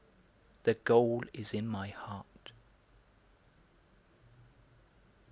the goal is in my heart...